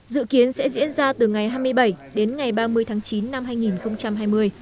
dự kiến sẽ diễn ra từ ngày hai mươi bảy đến ngày ba mươi tháng chín năm hai nghìn hai mươi